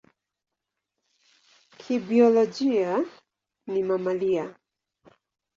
Kibiolojia ni mamalia.